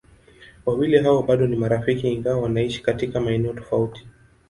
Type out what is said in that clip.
Wawili hao bado ni marafiki ingawa wanaishi katika maeneo tofauti.